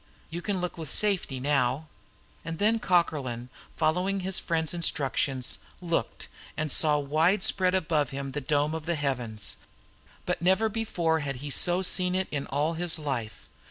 You can look with safety now." And then Cockerlyne, following his friend's instructions, looked, and saw widespread above him the dome of the heavens. But never had he so seen it in all his life.